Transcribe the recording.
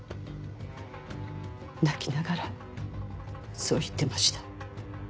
泣きながらそう言ってました。